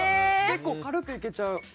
結構軽くいけちゃう。